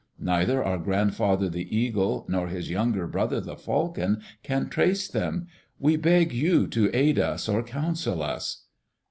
Neither our grandfather the Eagle, nor his younger brother the Falcon, can trace them. We beg you to aid us or counsel us."